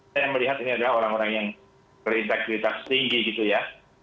saya melihat ini adalah orang orang yang berintegritas tinggi gitu ya